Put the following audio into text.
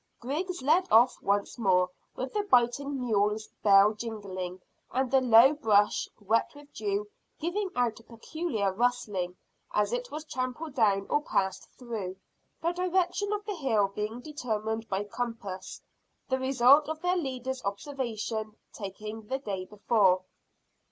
Griggs led off once more, with the biting mule's bell jingling, and the low brush, wet with dew, giving out a peculiar rustling as it was trampled down or passed through, the direction of the hill being determined by compass, the result of their leader's observation taken the day before.